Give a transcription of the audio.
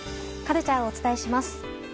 カルチャーをお伝えします。